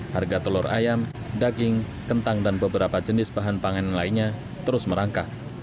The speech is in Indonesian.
harga telur ayam daging kentang dan beberapa jenis bahan pangan lainnya terus merangkak